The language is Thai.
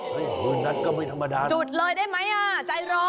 โบนัสก็ไม่ธรรมดาจุดเลยได้ไหมอ่ะใจร้อน